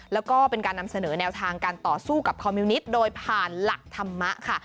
แล้วก็เป็นการนำเสนอแนวทางการต่อสู้กับคอมมิวนิตโดยผ่านหลักธรรมะค่ะ